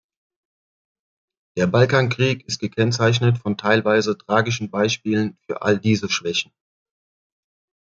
Der Balkankrieg ist gekennzeichnet von teilweise tragischen Beispielen für all diese Schwächen.